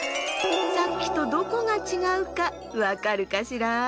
さっきとどこがちがうかわかるかしら？